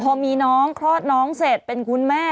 พอมีน้องคลอดน้องเสร็จเป็นคุณแม่